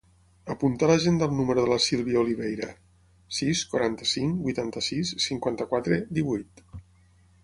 Apunta a l'agenda el número de la Sílvia Oliveira: sis, quaranta-cinc, vuitanta-sis, cinquanta-quatre, divuit.